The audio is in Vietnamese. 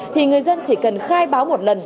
thì người dân chỉ cần khai báo một lần